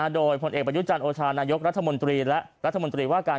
โดยผลเอกประยุจจรประชานโชภาณายกรรัทมนตรีและรัทมนตรีว่ากัน